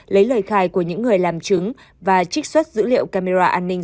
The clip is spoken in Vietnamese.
lấy lời khai của những người làm chứng và trích xuất dữ liệu camera an ninh